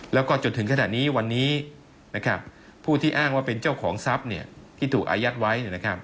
แล้วก็จนถึงขนาดนี้วันนี้ผู้ที่อ้างว่าเป็นเจ้าของทรัพย์ที่ถูกอายัดไว้